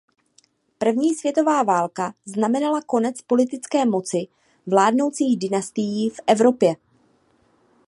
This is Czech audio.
První světová válka znamenala konec politické moci vládnoucích dynastií v Evropě.